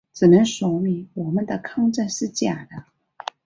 只能说明我们的抗战是假的。